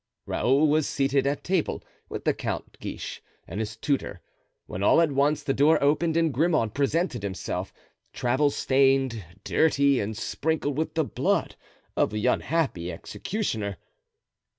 Raoul was seated at table with the Count de Guiche and his tutor, when all at once the door opened and Grimaud presented himself, travel stained, dirty, and sprinkled with the blood of the unhappy executioner.